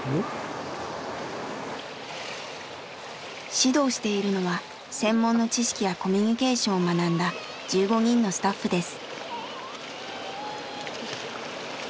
指導しているのは専門の知識やコミュニケーションを学んだ１５人のスタッフです。